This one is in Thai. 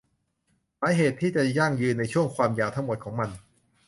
หมายเหตุที่จะยั่งยืนในช่วงความยาวทั้งหมดของมัน